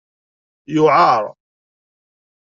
Yuɛeṛ.